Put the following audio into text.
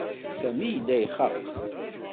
Sami yella ixaq.